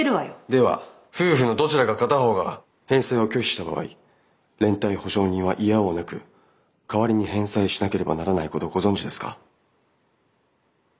では夫婦のどちらか片方が返済を拒否した場合連帯保証人はいやおうなく代わりに返済しなければならないことをご存じですか？